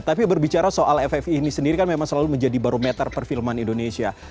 tapi berbicara soal ffi ini sendiri kan memang selalu menjadi barometer perfilman indonesia